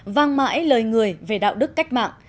vang mãi lời người về đạo đức cách mạng